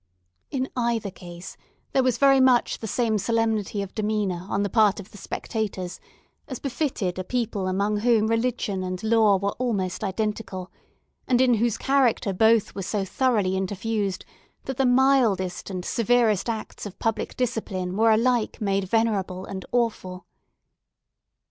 In either case, there was very much the same solemnity of demeanour on the part of the spectators, as befitted a people among whom religion and law were almost identical, and in whose character both were so thoroughly interfused, that the mildest and severest acts of public discipline were alike made venerable and awful.